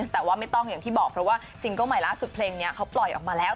แต่ว่าไม่ต้องอย่างที่บอกเพราะว่าซิงเกิ้ลใหม่ล่าสุดเพลงนี้เขาปล่อยออกมาแล้ว